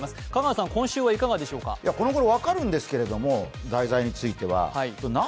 香川さん、今週はいかがでしょうかこの頃、分かるんですけど、題材については。